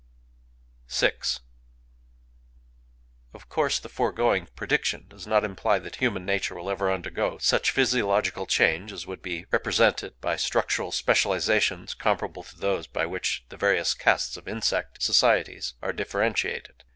VI Of course the foregoing prediction does not imply that human nature will ever undergo such physiological change as would be represented by structural specializations comparable to those by which the various castes of insect societies are differentiated.